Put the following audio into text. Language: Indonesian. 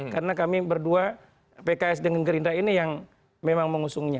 karena kami berdua pks dengan gerindra ini yang memang mengusungnya